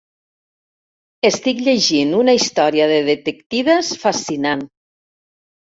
Estic llegint una història de detectives fascinant.